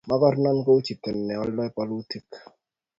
mokornon kou chito ne oldoi bolutik